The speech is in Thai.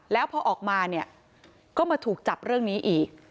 แล้วพอออกมาเนี่ยก็มาถูกจับเรื่องนี้อีก